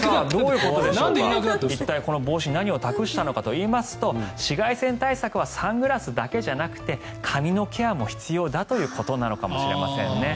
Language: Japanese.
一体この帽子に何を託したのかといいますと紫外線対策はサングラスだけじゃなくて髪のケアも必要だということなのかもしれませんね。